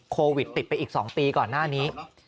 โควิดติดไปอีก๒ปีก่อนหน้านี้